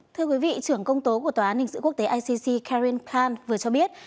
thưa quý vị trưởng công tố của tòa án ninh sử quốc tế icc karin khan vừa cho biết